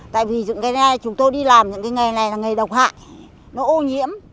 tại vì chúng tôi đi làm những cái nghề này là nghề độc hại nó ô nhiễm